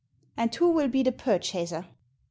And who will be the purchaser ?